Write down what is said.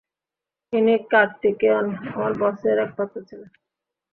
ইনি কার্তিকেয়ন, আমার বসের একমাত্র ছেলে।